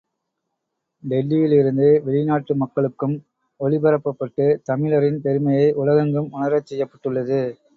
டெல்லியிலிருந்து வெளிநாட்டு மக்களுக்கும் ஒலிபரப்பப்பட்டு, தமிழரின் பெருமையை உலகெங்கும் உணரச் செய்யப்பட்டுள்ளது.